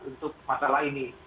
untuk masalah ini